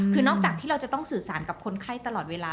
คือนอกจากที่เราจะต้องสื่อสารกับคนไข้ตลอดเวลา